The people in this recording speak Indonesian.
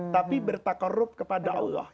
tapi bertakorup kepada allah